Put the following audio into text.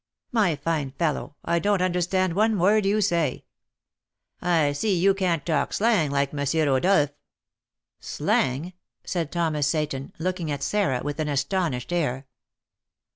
'" "My fine fellow, I don't understand one word you say." "I see you can't talk slang like M. Rodolph." "Slang?" said Thomas Seyton, looking at Sarah with an astonished air.